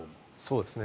そうですね。